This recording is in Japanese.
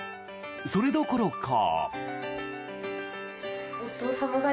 それどころか。